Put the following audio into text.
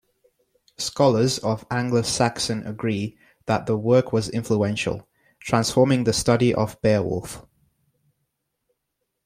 Scholars of Anglo-Saxon agree that the work was influential, transforming the study of "Beowulf".